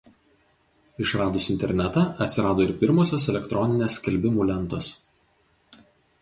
Išradus internetą atsirado ir pirmosios elektroninės skelbimų lentos.